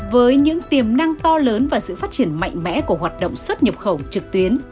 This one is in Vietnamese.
với những tiềm năng to lớn và sự phát triển mạnh mẽ của hoạt động xuất nhập khẩu trực tuyến